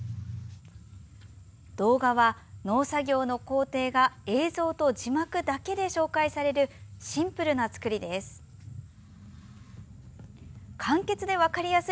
動画は、農作業の工程が映像と字幕だけで紹介されるシンプルな作りです。